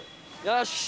よし！